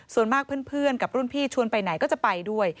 ส่วนมากเพื่อนกับรุ่นพี่ชวนไปไหนก็จะไปด้วย